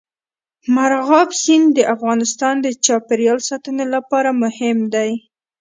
مورغاب سیند د افغانستان د چاپیریال ساتنې لپاره مهم دي.